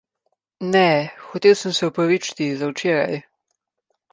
Ne, hotel sem se opravičiti za včeraj.